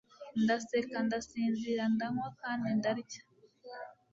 Ndaseka ndasinzira ndanywa kandi ndarya